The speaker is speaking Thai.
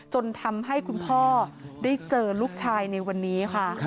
จนทำให้คุณพ่อได้เจอลูกชายในวันนี้ค่ะ